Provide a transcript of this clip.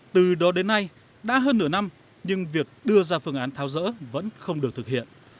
từ đó đến nay đã hơn nửa năm nhưng việc đưa ra phương án tháo rỡ vẫn không được thực hiện